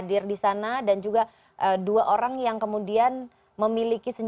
tiada apa yang ingin menceritakan